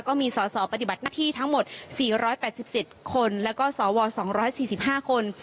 ก็มีสอสอปฏิบัติหน้าที่ทั้งหมด๔๘๗คนแล้วก็สว๒๔๕คน